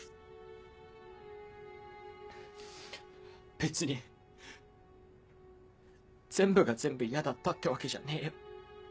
別に全部が全部嫌だったってわけじゃねえよ。